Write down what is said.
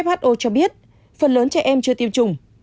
hho cho biết phần lớn trẻ em chưa tiêm chủng